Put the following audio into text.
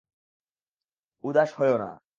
উদাস হয়ো না।